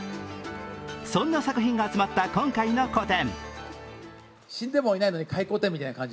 そんな作品が集まった今回の個展。